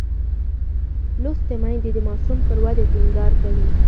لوستې میندې د ماشوم پر ودې ټینګار کوي.